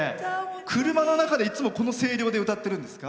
車の中でいつもこの声量で歌ってるんですか？